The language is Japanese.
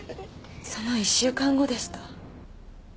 その１週間後でした。